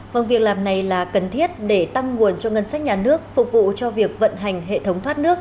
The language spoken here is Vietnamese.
vâng việc làm này là cần thiết để tăng nguồn cho ngân sách nhà nước phục vụ cho việc vận hành hệ thống thoát nước